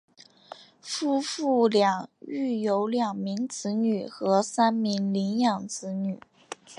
夫妇俩育有两名子女和三名领养子女。